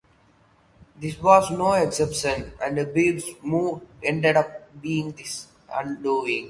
This was no exception, and Paz's move ended up being his undoing.